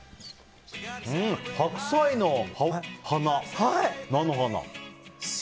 白菜の花、菜の花。